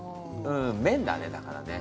めんだねだからね。